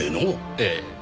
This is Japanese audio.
ええ。